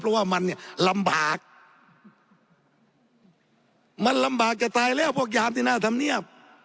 เพราะว่ามันเนี่ยลำบากมันลำบากจะตายแล้วพวกยามที่หน้าธรรมเนียบ